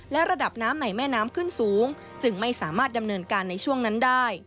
และระดับน้ำในแม่น้ำขึ้นสูงจึงไม่สามารถดำเนินการในช่วงนั้นได้